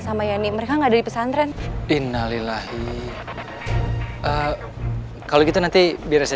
sama yani mereka enggak ada di pesantren innalillahi kalau gitu nanti biar saya